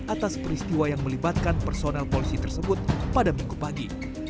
atas peristiwa yang melibatkan personel polisi tersebut pada minggu pagi